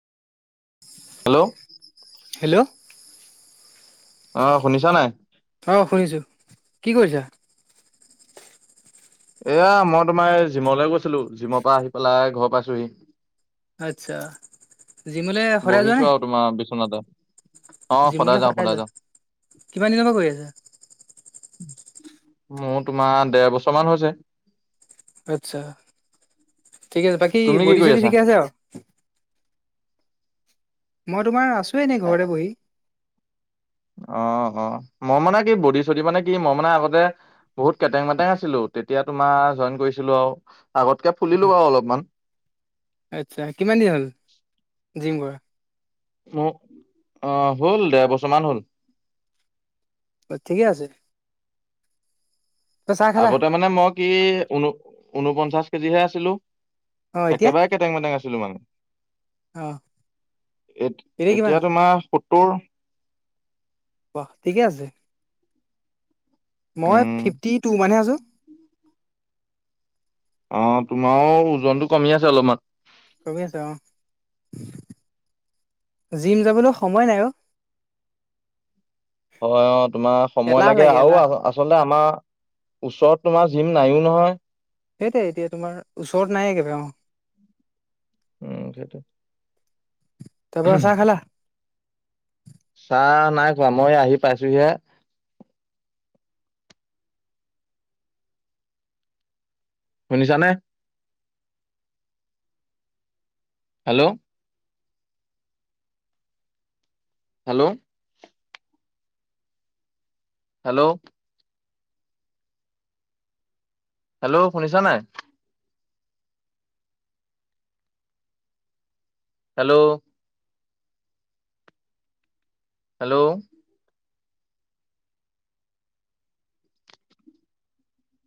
Hello! Hello. অ', শুনিছ নাই? অ', শুনিছো, কি কৰিছা? এয়া মই তোমাৰ এই জিমলৈ গৈছিলো জিমৰ পৰা আহি পেলাই ঘৰ পাইছোহি। আচ্ছা জিমলে সদায় যোৱা বহিছো নে? আৰু তোমাৰ বিছনাতে। জিমলৈ সদাই যোৱা, কিমান দিনৰ পৰা কৰি আছা? মোৰ তোমাৰ দেৰ বছৰ মান হৈছে। আচ্ছা ঠিক আছে, বাকী তুমি কি ব'ডি কৰি চডি আছা ঠিকে আছে আৰু? মই তোমাৰ আছো এনে ঘৰতে বহি। অ', অ', মই মানে কি ব'ডি চদি মানে কি মই মানে আগতে বহুত কেটেং মেটেং আছিলো তেতিয়া তোমাৰ জইন কৰিছিলো আৰু আগতকে ফুলিলো বাৰু অলপমান। আচ্ছা কিমান দিন হ'ল জিম কৰা? মোৰ অ' হ'ল দেৰ বছৰ মান হ'ল। অ', ঠিকে আছে। তই চাহ খালা আগতে মানে মই কি ঊন-ঊনপঞ্চাশ কেজিহে আছিলো। অ এতিয়া একেবাৰে কেটেং মেটেং আছিলো মানে। অ এতিয়া এ-এতিয়া কিমান তোমাৰ সত্তৰ। বাহ! ঠিকে আছে। মই উম ফিফ্টি টু মানহে আছো। অ', তোমাৰো ওজনটো কমি আছে অলপমান। কমি আছে অ'। জিম যাবলৈ সময় নাই অ'। হয়, অ' তোমাৰ সময় এলাহ লাগে আৰু এলাহ আচলতে আমাৰ ওচৰত তোমাৰ জিম নাইও নহয়। সেইটোই এতিয়া তোমাৰ ওচৰত নাই একেবাৰে অ'। উম, সেইটো। তাৰপৰা চাহ খালা? চাহ নাই খোৱা মই আহি পাইছোহি হে। শুনিছা নে? হেল্ল'। হেল্ল'। হেল্ল'। হেল্ল' শুনিছা নাই? হেল্ল'। হেল্ল'।